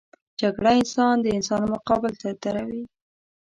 جګړه انسان د انسان مقابل ته دروي